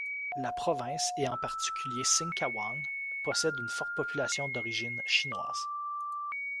La province, et en particulier Singkawang, possèdent une forte population d'origine chinoise.